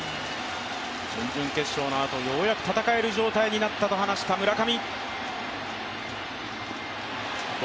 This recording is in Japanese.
準々決勝のあとようやく戦える感じになっていたと話した村上。